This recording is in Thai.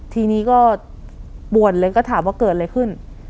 ทีนี้ก็ปวดเลยก็ถามว่าเกิดอะไรขึ้น